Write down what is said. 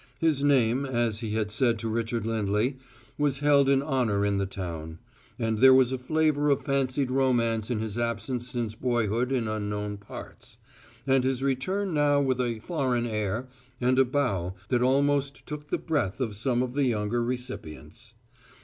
His name, as he had said to Richard Lindley, was held in honour in the town; and there was a flavour of fancied romance in his absence since boyhood in unknown parts, and his return now with a `foreign air' and a bow that almost took the breath of some of the younger recipients.